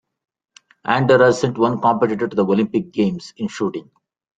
Andorra sent one competitor to the Olympic Games in shooting.